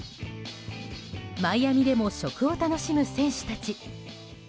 マイアミでも食を楽しむ選手たち。